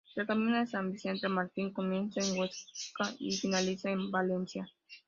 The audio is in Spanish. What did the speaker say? El camino de San Vicente Mártir, comienza en Huesca y finaliza en Valencia.